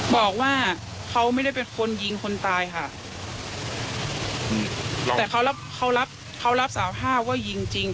บอกว่าเขาไม่ได้เป็นคนยิงคนตายค่ะแต่เขารับเขารับเขารับสารภาพว่ายิงจริง